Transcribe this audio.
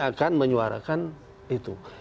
akan menyuarakan itu